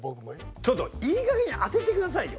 ちょっといい加減に当ててくださいよ。